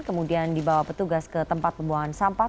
kemudian dibawa petugas ke tempat pembuangan sampah